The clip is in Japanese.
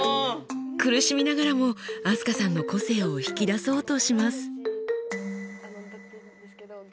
苦しみながらも飛鳥さんの個性を引き出そうとします。